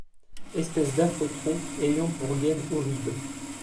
Espèce d’affreux tronc ayant pour gaine horrible